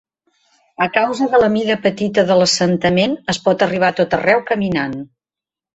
A causa de la mida petita de l'assentament, es pot arribar a tot arreu caminant.